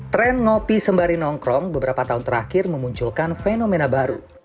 tren ngopi sembari nongkrong beberapa tahun terakhir memunculkan fenomena baru